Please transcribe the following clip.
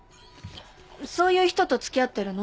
そういう人と付き合ってるの？